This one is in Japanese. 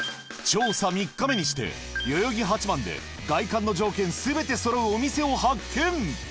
調査３日目にして代々木八幡で外観の条件全てそろうお店を発見